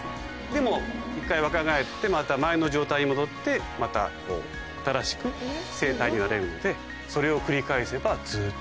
でも１回若返ってまた前の状態に戻ってまたこう新しく成体になれるのでそれを繰り返せば。